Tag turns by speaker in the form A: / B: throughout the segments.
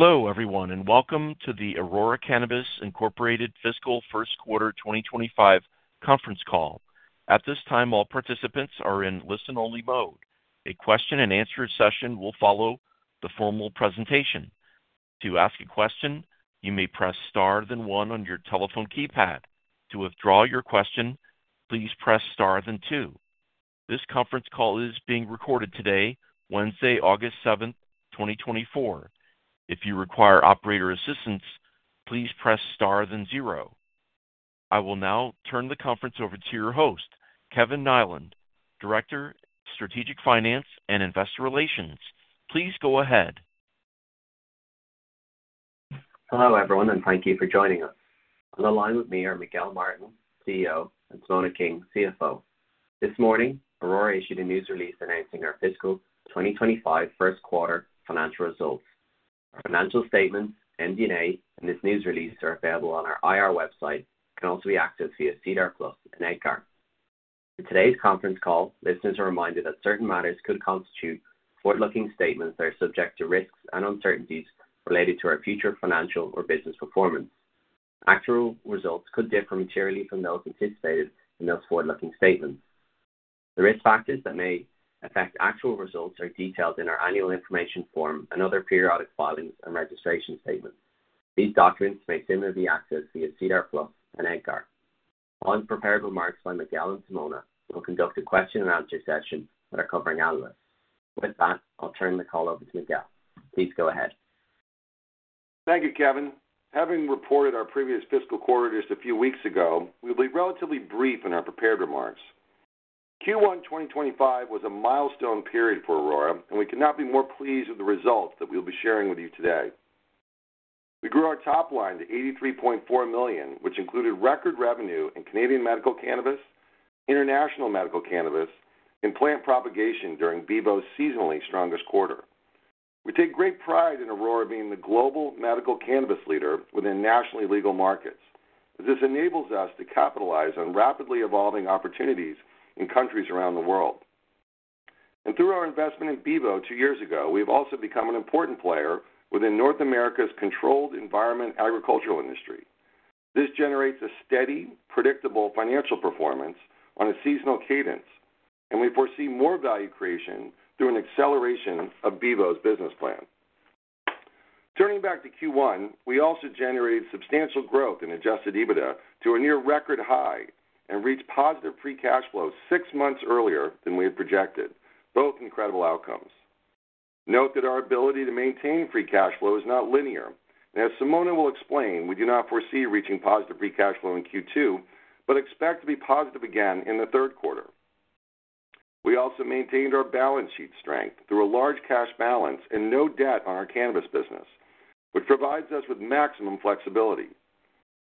A: Hello, everyone, and welcome to the Aurora Cannabis Incorporated Fiscal First Quarter 2025 conference call. At this time, all participants are in listen-only mode. A question and answer session will follow the formal presentation. To ask a question, you may press star then one on your telephone keypad. To withdraw your question, please press star then two. This conference call is being recorded today, Wednesday, August 7, 2024. If you require operator assistance, please press star then zero. I will now turn the conference over to your host, Kevin Nyland, Director, Strategic Finance and Investor Relations. Please go ahead.
B: Hello, everyone, and thank you for joining us. On the line with me are Miguel Martin, CEO, and Simona King, CFO. This morning, Aurora issued a news release announcing our fiscal 2025 first quarter financial results. Our financial statements, MD&A, and this news release are available on our IR website, can also be accessed via SEDAR Plus and EDGAR. In today's conference call, listeners are reminded that certain matters could constitute forward-looking statements that are subject to risks and uncertainties related to our future financial or business performance. Actual results could differ materially from those anticipated in those forward-looking statements. The risk factors that may affect actual results are detailed in our annual information form and other periodic filings and registration statements. These documents may similarly be accessed via SEDAR Plus and EDGAR. Following prepared remarks by Miguel and Simona, we will conduct a question and answer session with our covering analysts. With that, I'll turn the call over to Miguel. Please go ahead.
C: Thank you, Kevin. Having reported our previous fiscal quarter just a few weeks ago, we'll be relatively brief in our prepared remarks. Q1 2025 was a milestone period for Aurora, and we could not be more pleased with the results that we'll be sharing with you today. We grew our top line to 83.4 million, which included record revenue in Canadian medical cannabis, international medical cannabis, and plant propagation during Bevo's seasonally strongest quarter. We take great pride in Aurora being the global medical cannabis leader within nationally legal markets. This enables us to capitalize on rapidly evolving opportunities in countries around the world. Through our investment in Bevo two years ago, we've also become an important player within North America's controlled environment agricultural industry. This generates a steady, predictable financial performance on a seasonal cadence, and we foresee more value creation through an acceleration of Bevo's business plan. Turning back to Q1, we also generated substantial growth in Adjusted EBITDA to a near record high and reached positive Free Cash Flow six months earlier than we had projected, both incredible outcomes. Note that our ability to maintain Free Cash Flow is not linear, and as Simona will explain, we do not foresee reaching positive Free Cash Flow in Q2, but expect to be positive again in the third quarter. We also maintained our balance sheet strength through a large cash balance and no debt on our cannabis business, which provides us with maximum flexibility.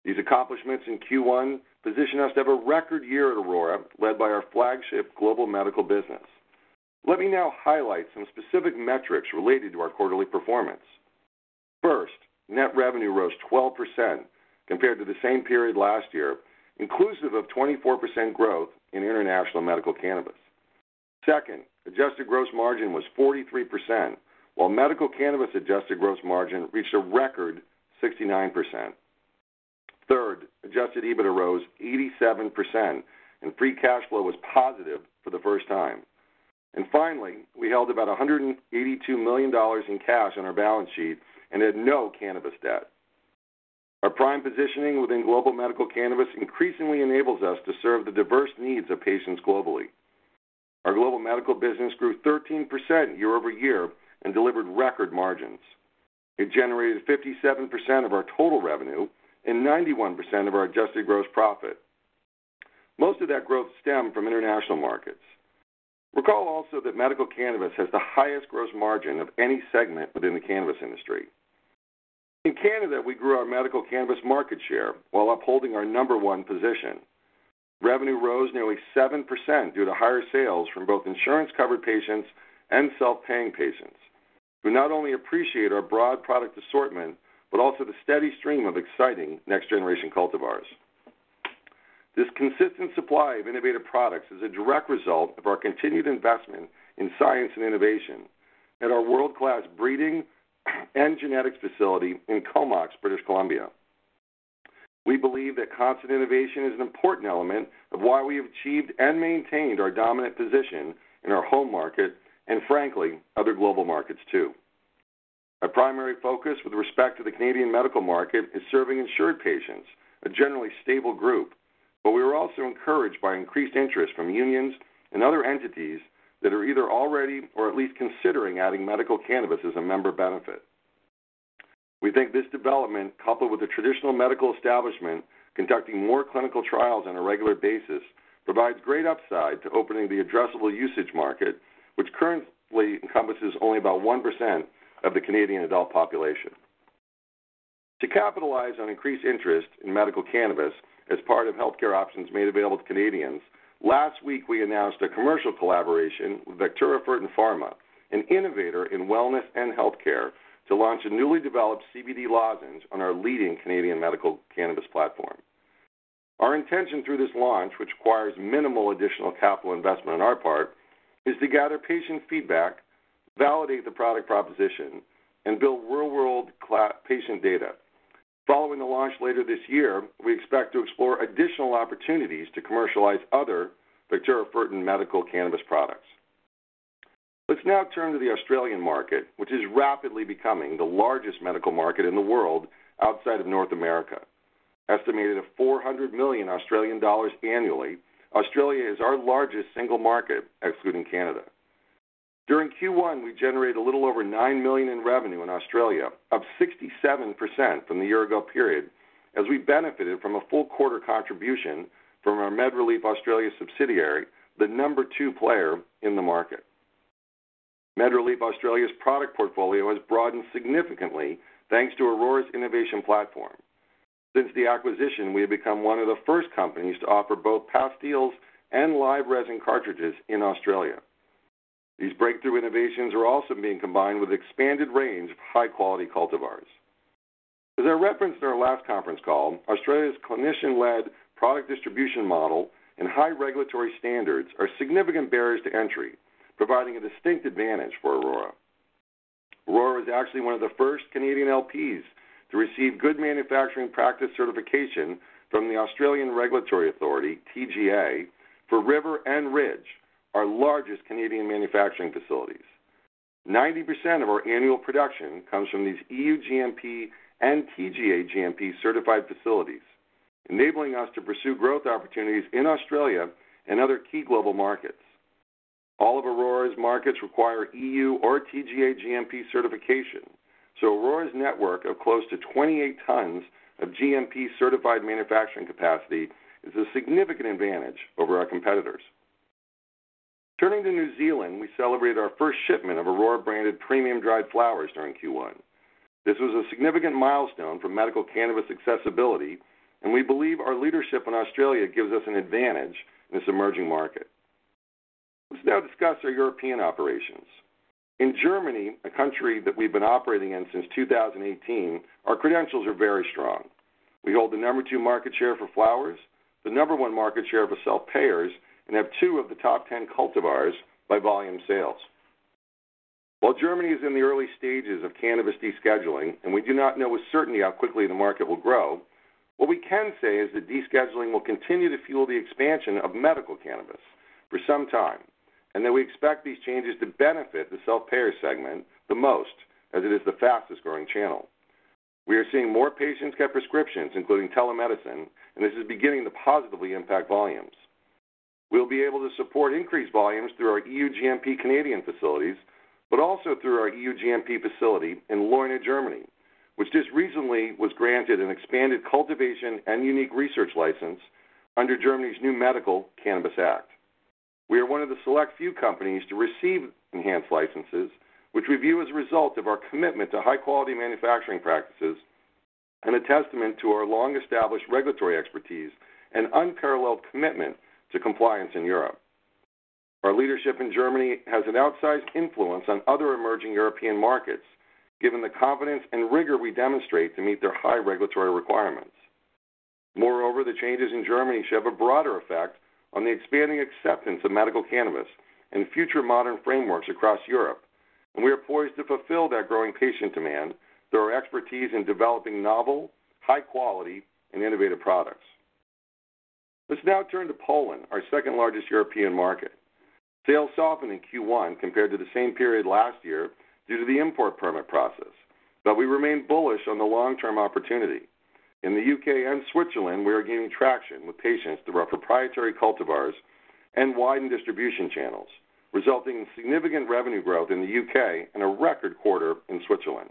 C: These accomplishments in Q1 position us to have a record year at Aurora, led by our flagship global medical business. Let me now highlight some specific metrics related to our quarterly performance. First, net revenue rose 12% compared to the same period last year, inclusive of 24% growth in international medical cannabis. Second, Adjusted Gross Margin was 43%, while medical cannabis Adjusted Gross Margin reached a record 69%. Third, Adjusted EBITDA rose 87%, and Free Cash Flow was positive for the first time. And finally, we held about 182 million dollars in cash on our balance sheet and had no cannabis debt. Our prime positioning within global medical cannabis increasingly enables us to serve the diverse needs of patients globally. Our global medical business grew 13% year-over-year and delivered record margins. It generated 57% of our total revenue and 91% of our Adjusted Gross Profit. Most of that growth stemmed from international markets. Recall also that medical cannabis has the highest gross margin of any segment within the cannabis industry. In Canada, we grew our medical cannabis market share while upholding our number one position. Revenue rose nearly 7% due to higher sales from both insurance-covered patients and self-paying patients, who not only appreciate our broad product assortment, but also the steady stream of exciting next-generation cultivars. This consistent supply of innovative products is a direct result of our continued investment in science and innovation at our world-class breeding and genetics facility in Comox, British Columbia. We believe that constant innovation is an important element of why we have achieved and maintained our dominant position in our home market and frankly, other global markets, too. Our primary focus with respect to the Canadian medical market is serving insured patients, a generally stable group, but we are also encouraged by increased interest from unions and other entities that are either already or at least considering adding medical cannabis as a member benefit. We think this development, coupled with the traditional medical establishment conducting more clinical trials on a regular basis, provides great upside to opening the addressable usage market, which currently encompasses only about 1% of the Canadian adult population. To capitalize on increased interest in medical cannabis as part of healthcare options made available to Canadians, last week, we announced a commercial collaboration with Vectura Fertin Pharma, an innovator in wellness and healthcare, to launch a newly developed CBD lozenge on our leading Canadian medical cannabis platform.... Our intention through this launch, which requires minimal additional capital investment on our part, is to gather patient feedback, validate the product proposition, and build real-world patient data. Following the launch later this year, we expect to explore additional opportunities to commercialize other Vectura Fertin medical cannabis products. Let's now turn to the Australian market, which is rapidly becoming the largest medical market in the world outside of North America. Estimated at 400 million Australian dollars annually, Australia is our largest single market, excluding Canada. During Q1, we generated a little over 9 million in revenue in Australia, up 67% from the year-ago period, as we benefited from a full quarter contribution from our MedReleaf Australia subsidiary, the number two player in the market. MedReleaf Australia's product portfolio has broadened significantly, thanks to Aurora's innovation platform. Since the acquisition, we have become one of the first companies to offer both pastilles and live resin cartridges in Australia. These breakthrough innovations are also being combined with expanded range of high-quality cultivars. As I referenced in our last conference call, Australia's clinician-led product distribution model and high regulatory standards are significant barriers to entry, providing a distinct advantage for Aurora. Aurora is actually one of the first Canadian LPs to receive Good Manufacturing Practice certification from the Australian Regulatory Authority, TGA, for Aurora River and Aurora Ridge, our largest Canadian manufacturing facilities. 90% of our annual production comes from these EU GMP and TGA GMP certified facilities, enabling us to pursue growth opportunities in Australia and other key global markets. All of Aurora's markets require EU or TGA GMP certification, so Aurora's network of close to 28 tons of GMP-certified manufacturing capacity is a significant advantage over our competitors. Turning to New Zealand, we celebrate our first shipment of Aurora-branded premium dried flowers during Q1. This was a significant milestone for medical cannabis accessibility, and we believe our leadership in Australia gives us an advantage in this emerging market. Let's now discuss our European operations. In Germany, a country that we've been operating in since 2018, our credentials are very strong. We hold the number 2 market share for flowers, the number 1 market share for self-payers, and have 2 of the top 10 cultivars by volume sales. While Germany is in the early stages of cannabis descheduling, and we do not know with certainty how quickly the market will grow, what we can say is that descheduling will continue to fuel the expansion of medical cannabis for some time, and that we expect these changes to benefit the self-payer segment the most, as it is the fastest-growing channel. We are seeing more patients get prescriptions, including telemedicine, and this is beginning to positively impact volumes. We'll be able to support increased volumes through our EU GMP Canadian facilities, but also through our EU GMP facility in Leuna, Germany, which just recently was granted an expanded cultivation and unique research license under Germany's new Medical Cannabis Act. We are one of the select few companies to receive enhanced licenses, which we view as a result of our commitment to high-quality manufacturing practices and a testament to our long-established regulatory expertise and unparalleled commitment to compliance in Europe. Our leadership in Germany has an outsized influence on other emerging European markets, given the confidence and rigor we demonstrate to meet their high regulatory requirements. Moreover, the changes in Germany should have a broader effect on the expanding acceptance of medical cannabis and future modern frameworks across Europe, and we are poised to fulfill that growing patient demand through our expertise in developing novel, high-quality, and innovative products. Let's now turn to Poland, our second-largest European market. Sales softened in Q1 compared to the same period last year due to the import permit process, but we remain bullish on the long-term opportunity. In the UK and Switzerland, we are gaining traction with patients through our proprietary cultivars and widened distribution channels, resulting in significant revenue growth in the UK and a record quarter in Switzerland.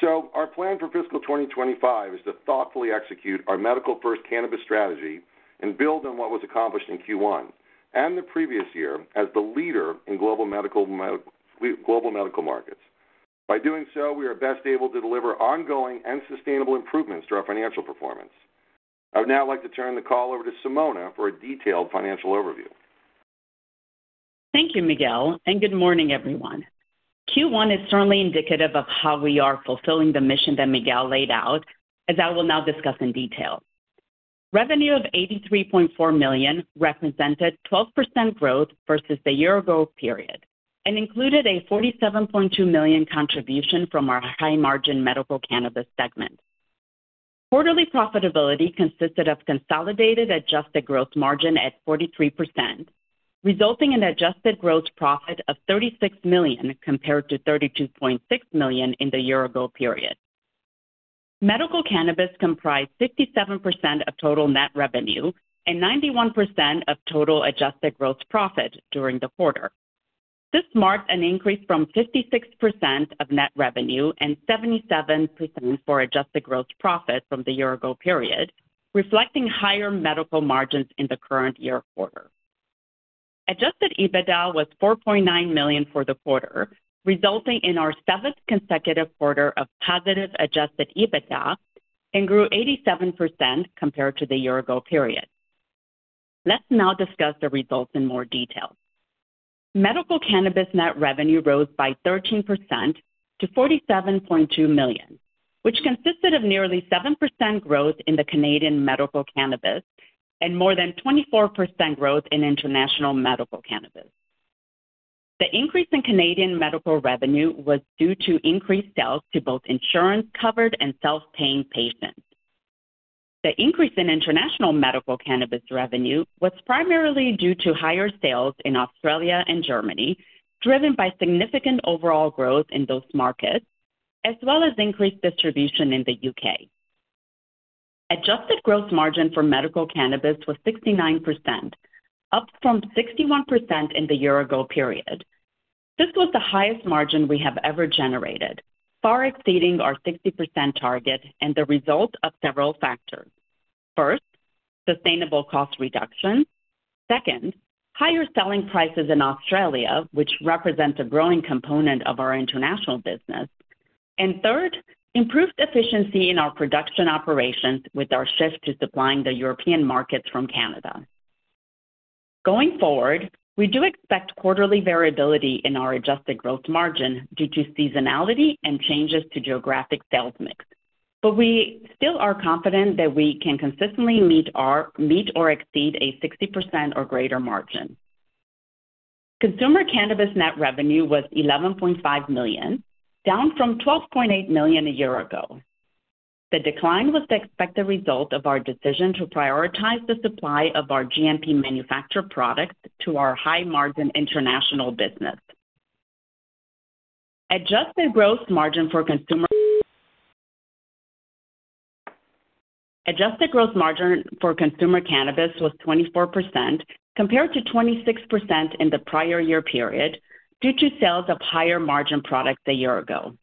C: So our plan for fiscal 2025 is to thoughtfully execute our medical-first cannabis strategy and build on what was accomplished in Q1 and the previous year as the leader in global medical markets. By doing so, we are best able to deliver ongoing and sustainable improvements to our financial performance. I would now like to turn the call over to Simona for a detailed financial overview.
D: Thank you, Miguel, and good morning, everyone. Q1 is certainly indicative of how we are fulfilling the mission that Miguel laid out, as I will now discuss in detail. Revenue of 83.4 million represented 12% growth versus the year ago period and included a 47.2 million contribution from our high-margin medical cannabis segment. Quarterly profitability consisted of consolidated adjusted gross margin at 43%, resulting in adjusted gross profit of 36 million, compared to 32.6 million in the year ago period. Medical cannabis comprised 67% of total net revenue and 91% of total adjusted gross profit during the quarter. This marked an increase from 56% of net revenue and 77% for adjusted gross profit from the year ago period, reflecting higher medical margins in the current year quarter. Adjusted EBITDA was 4.9 million for the quarter, resulting in our seventh consecutive quarter of positive adjusted EBITDA and grew 87% compared to the year-ago period. Let's now discuss the results in more detail. Medical cannabis net revenue rose by 13% to 47.2 million, which consisted of nearly 7% growth in the Canadian medical cannabis and more than 24% growth in international medical cannabis. The increase in Canadian medical revenue was due to increased sales to both insurance-covered and self-paying patients. The increase in international medical cannabis revenue was primarily due to higher sales in Australia and Germany, driven by significant overall growth in those markets, as well as increased distribution in the UK. Adjusted gross margin for medical cannabis was 69%, up from 61% in the year-ago period. This was the highest margin we have ever generated, far exceeding our 60% target and the result of several factors. First, sustainable cost reduction. Second, higher selling prices in Australia, which represents a growing component of our international business. And third, improved efficiency in our production operations with our shift to supplying the European markets from Canada. Going forward, we do expect quarterly variability in our adjusted gross margin due to seasonality and changes to geographic sales mix, but we still are confident that we can consistently meet or exceed a 60% or greater margin. Consumer cannabis net revenue was 11.5 million, down from 12.8 million a year ago. The decline was the expected result of our decision to prioritize the supply of our GMP manufactured products to our high-margin international business. Adjusted gross margin for consumer cannabis was 24%, compared to 26% in the prior year period, due to sales of higher-margin products a year ago.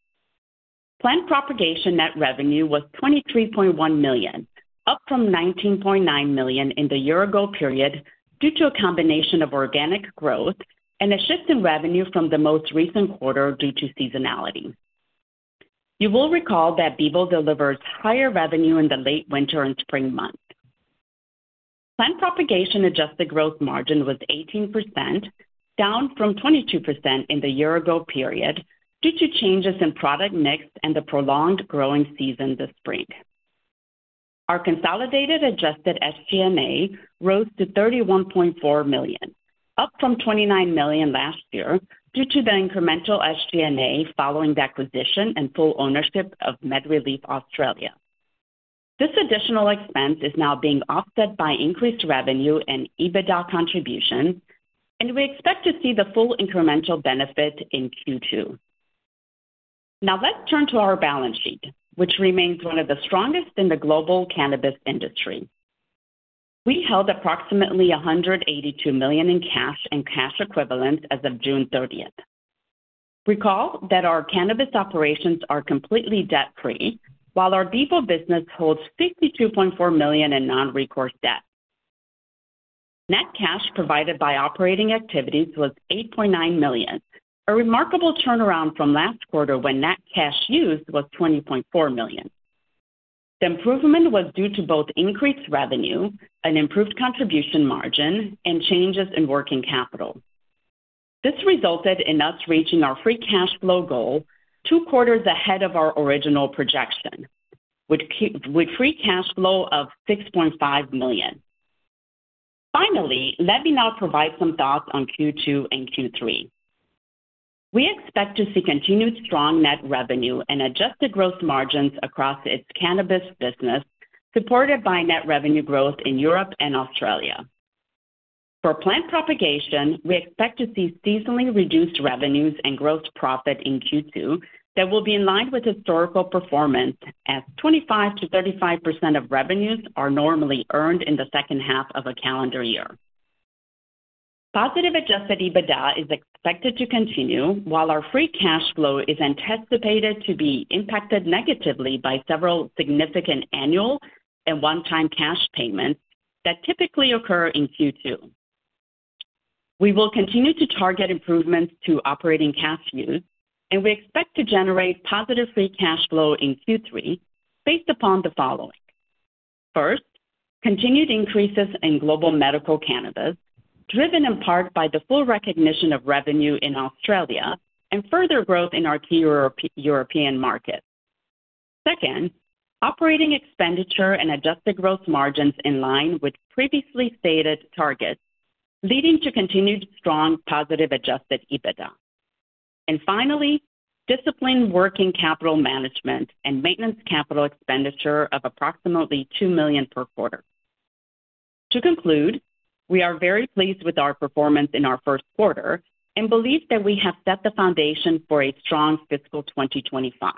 D: Plant propagation net revenue was 23.1 million, up from 19.9 million in the year-ago period, due to a combination of organic growth and a shift in revenue from the most recent quarter due to seasonality. You will recall that Bevo delivers higher revenue in the late winter and spring months. Plant propagation adjusted gross margin was 18%, down from 22% in the year-ago period, due to changes in product mix and the prolonged growing season this spring. Our consolidated adjusted SG&A rose to 31.4 million, up from 29 million last year, due to the incremental SG&A following the acquisition and full ownership of MedReleaf Australia. This additional expense is now being offset by increased revenue and EBITDA contribution, and we expect to see the full incremental benefit in Q2. Now, let's turn to our balance sheet, which remains one of the strongest in the global cannabis industry. We held approximately 182 million in cash and cash equivalents as of June 30. Recall that our cannabis operations are completely debt-free, while our Bevo business holds 52.4 million in non-recourse debt. Net cash provided by operating activities was 8.9 million, a remarkable turnaround from last quarter, when net cash used was 20.4 million. The improvement was due to both increased revenue, an improved contribution margin, and changes in working capital. This resulted in us reaching our free cash flow goal two quarters ahead of our original projection, with free cash flow of 6.5 million. Finally, let me now provide some thoughts on Q2 and Q3. We expect to see continued strong net revenue and adjusted gross margins across its cannabis business, supported by net revenue growth in Europe and Australia. For plant propagation, we expect to see seasonally reduced revenues and gross profit in Q2 that will be in line with historical performance, as 25%-35% of revenues are normally earned in the second half of a calendar year. Positive adjusted EBITDA is expected to continue, while our free cash flow is anticipated to be impacted negatively by several significant annual and one-time cash payments that typically occur in Q2. We will continue to target improvements to operating cash use, and we expect to generate positive Free Cash Flow in Q3 based upon the following: First, continued increases in global medical cannabis, driven in part by the full recognition of revenue in Australia and further growth in our key European markets. Second, operating expenditure and adjusted gross margins in line with previously stated targets, leading to continued strong positive Adjusted EBITDA. And finally, disciplined working capital management and maintenance capital expenditure of approximately 2 million per quarter. To conclude, we are very pleased with our performance in our first quarter and believe that we have set the foundation for a strong fiscal 2025.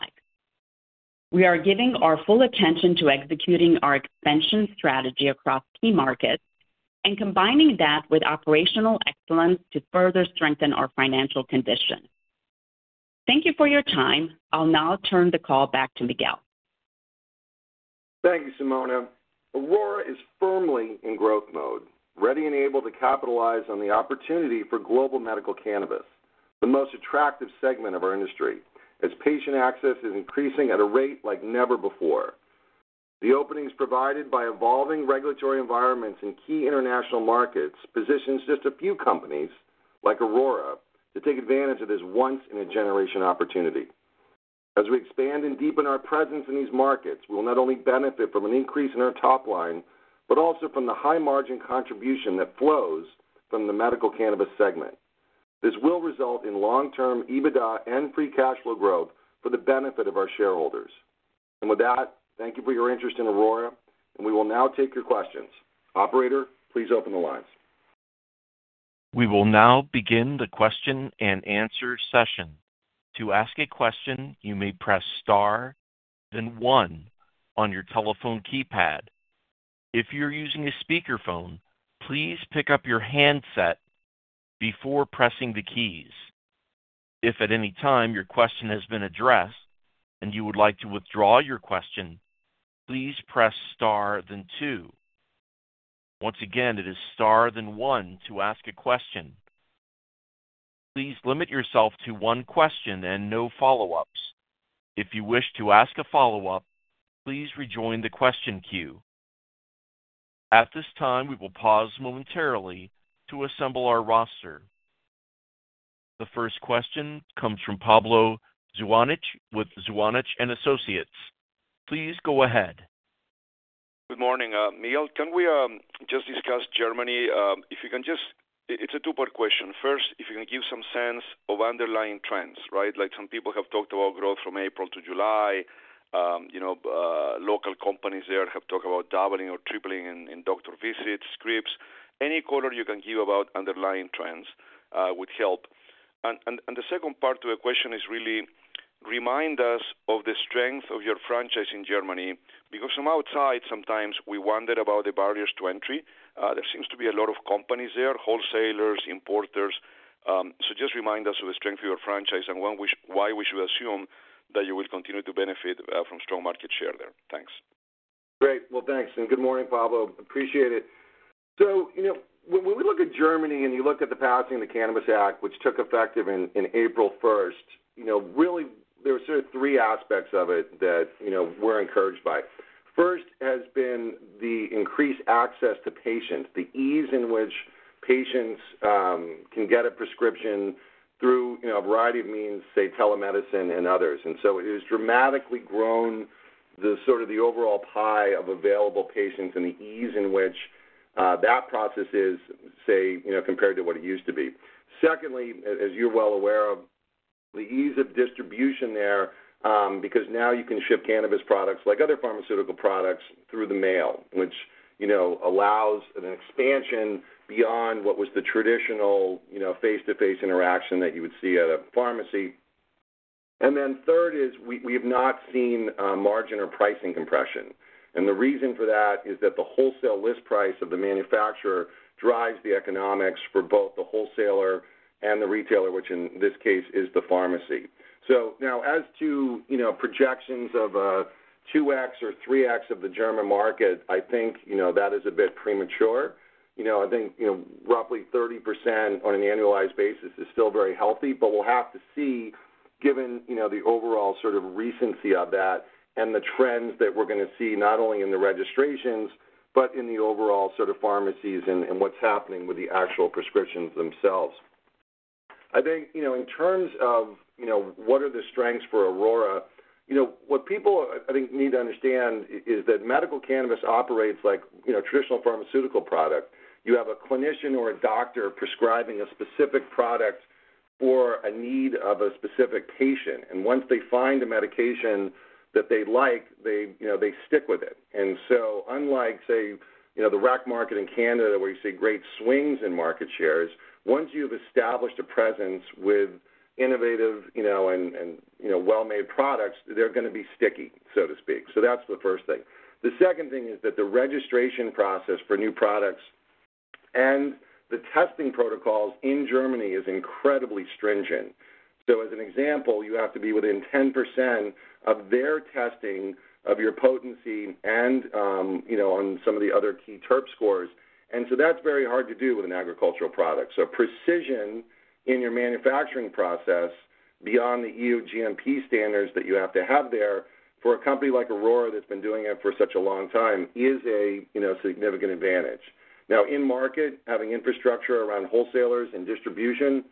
D: We are giving our full attention to executing our expansion strategy across key markets and combining that with operational excellence to further strengthen our financial condition. Thank you for your time. I'll now turn the call back to Miguel.
C: Thank you, Simona. Aurora is firmly in growth mode, ready and able to capitalize on the opportunity for global medical cannabis… the most attractive segment of our industry, as patient access is increasing at a rate like never before. The openings provided by evolving regulatory environments in key international markets positions just a few companies, like Aurora, to take advantage of this once-in-a-generation opportunity. As we expand and deepen our presence in these markets, we'll not only benefit from an increase in our top line, but also from the high-margin contribution that flows from the medical cannabis segment. This will result in long-term EBITDA and Free Cash Flow growth for the benefit of our shareholders. And with that, thank you for your interest in Aurora, and we will now take your questions. Operator, please open the lines.
A: We will now begin the question and answer session. To ask a question, you may press star, then one on your telephone keypad. If you're using a speakerphone, please pick up your handset before pressing the keys. If at any time your question has been addressed and you would like to withdraw your question, please press star, then two. Once again, it is star, then one to ask a question. Please limit yourself to one question and no follow-ups. If you wish to ask a follow-up, please rejoin the question queue. At this time, we will pause momentarily to assemble our roster. The first question comes from Pablo Zuanich with Zuanich & Associates. Please go ahead.
E: Good morning, l. Can we just discuss Germany? If you can just... It's a two-part question. First, if you can give some sense of underlying trends, right? Like, some people have talked about growth from April to July. You know, local companies there have talked about doubling or tripling in doctor visits, scripts. Any color you can give about underlying trends would help. And the second part to the question is really, remind us of the strength of your franchise in Germany, because from outside, sometimes we wonder about the barriers to entry. There seems to be a lot of companies there, wholesalers, importers. So just remind us of the strength of your franchise, and why we should assume that you will continue to benefit from strong market share there. Thanks.
C: Great. Well, thanks, and good morning, Pablo. Appreciate it. So, you know, when we look at Germany and you look at the passing of the Cannabis Act, which took effect in April 1st, you know, really, there are sort of three aspects of it that, you know, we're encouraged by. First, has been the increased access to patients, the ease in which patients can get a prescription through, you know, a variety of means, say, telemedicine and others. And so it has dramatically grown the, sort of, the overall pie of available patients and the ease in which that process is, say, you know, compared to what it used to be. Secondly, as you're well aware of, the ease of distribution there, because now you can ship cannabis products like other pharmaceutical products through the mail, which, you know, allows an expansion beyond what was the traditional, you know, face-to-face interaction that you would see at a pharmacy. And then third is we, we've not seen, margin or pricing compression. And the reason for that is that the wholesale list price of the manufacturer drives the economics for both the wholesaler and the retailer, which in this case is the pharmacy. So now as to, you know, projections of, 2x or 3x of the German market, I think, you know, that is a bit premature. You know, I think, you know, roughly 30% on an annualized basis is still very healthy, but we'll have to see, given, you know, the overall sort of recency of that and the trends that we're gonna see, not only in the registrations, but in the overall sort of pharmacies and, and what's happening with the actual prescriptions themselves. I think, you know, in terms of, you know, what are the strengths for Aurora, you know, what people, I, I think, need to understand is that medical cannabis operates like, you know, traditional pharmaceutical product. You have a clinician or a doctor prescribing a specific product for a need of a specific patient, and once they find a medication that they like, they, you know, they stick with it. And so unlike, say, you know, the rec market in Canada, where you see great swings in market shares, once you've established a presence with innovative, you know, and you know, well-made products, they're gonna be sticky, so to speak. So that's the first thing. The second thing is that the registration process for new products and the testing protocols in Germany is incredibly stringent. So as an example, you have to be within 10% of their testing of your potency and, you know, on some of the other key terp scores, and so that's very hard to do with an agricultural product. So precision in your manufacturing process, beyond the EU GMP standards that you have to have there, for a company like Aurora, that's been doing it for such a long time, is a, you know, significant advantage. Now, in market, having infrastructure around wholesalers and distribution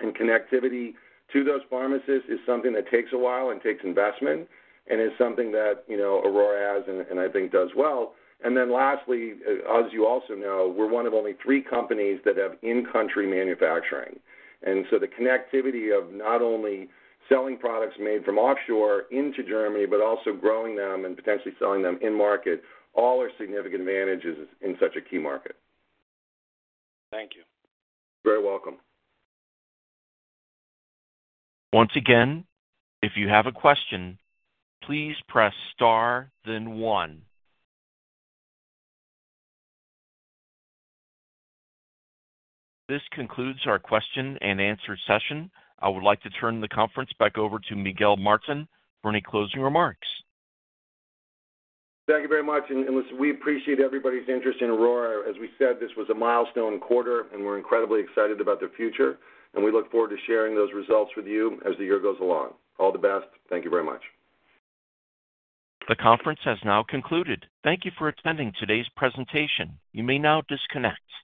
C: and connectivity to those pharmacists is something that takes a while and takes investment and is something that, you know, Aurora has and, and I think does well. And then lastly, as you also know, we're one of only three companies that have in-country manufacturing. And so the connectivity of not only selling products made from offshore into Germany, but also growing them and potentially selling them in-market, all are significant advantages in such a key market.
E: Thank you.
C: You're very welcome.
A: Once again, if you have a question, please press star, then one. This concludes our question and answer session. I would like to turn the conference back over to Miguel Martin for any closing remarks.
C: Thank you very much, and listen, we appreciate everybody's interest in Aurora. As we said, this was a milestone quarter, and we're incredibly excited about the future, and we look forward to sharing those results with you as the year goes along. All the best. Thank you very much.
A: The conference has now concluded. Thank you for attending today's presentation. You may now disconnect.